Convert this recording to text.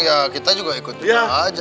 ya kita juga ikut juga aja